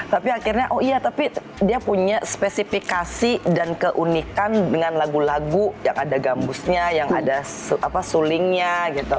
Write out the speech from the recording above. tapi akhirnya oh iya tapi dia punya spesifikasi dan keunikan dengan lagu lagu yang ada gambusnya yang ada sulingnya gitu